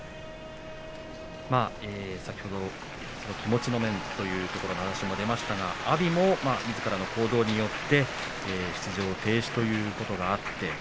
先ほど気持ちの面という話も出ましたが阿炎も、みずからの行動によって出場停止ということがあって